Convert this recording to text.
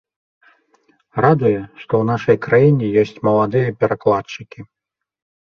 Радуе, што ў нашай краіне ёсць маладыя перакладчыкі.